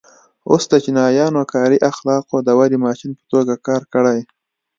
اوس د چینایانو کاري اخلاقو د ودې ماشین په توګه کار کړی.